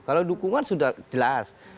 kalau dukungan sudah jelas